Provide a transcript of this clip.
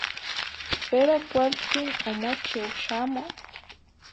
Pera cualtzin omochioh, xamo?